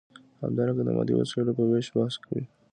همدارنګه د مادي وسایلو په ویش بحث کوي.